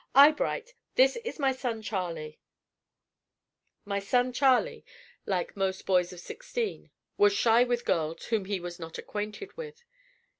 Eyebright, this is my son Charley." "My son Charley," like most boys of sixteen, was shy with girls whom he was not acquainted with.